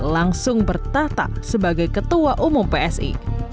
langsung bertata sebagai ketua umum psi